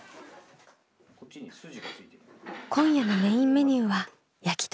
今夜のメインメニューは焼き鳥。